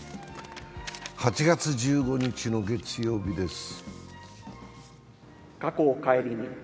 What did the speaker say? ８月１５日の月曜日です。